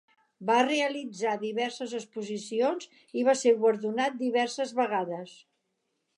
Va realitzar diverses exposicions i va ser guardonat diverses vegades.